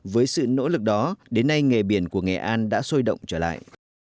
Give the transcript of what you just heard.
với sự nỗ lực đó đến nay nghề biển của nghệ an đã sôi động trở lại